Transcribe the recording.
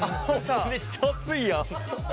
めっちゃ熱いやん。